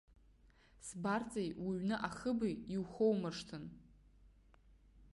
Сбарҵеи уҩны ахыби, иухоумыршҭын!